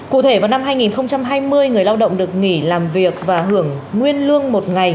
cụ thể vào năm hai nghìn hai mươi người lao động được nghỉ làm việc và hưởng nguyên lương một ngày